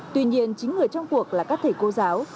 tuy nhiên chính người trong cuộc là các thầy cô giáo